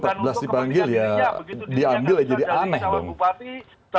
dua ribu empat belas dipanggil ya diambil jadi aneh dong